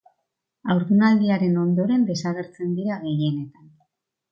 Haurdunaldiaren ondoren desagertzen dira gehienetan.